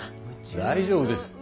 大丈夫です